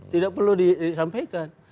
tidak perlu disampaikan